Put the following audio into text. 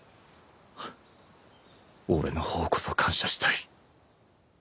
俺の方こそ感謝したい